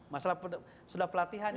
masalah sudah pelatihan